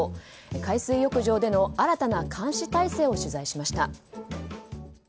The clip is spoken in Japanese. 海水浴場での新たな監視体制を取材しました。